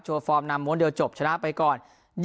ฟอร์มนำม้วนเดียวจบชนะไปก่อน